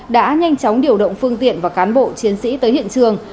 đã nhanh chóng điều động phương tiện và cán bộ chiến sĩ tới hiện trường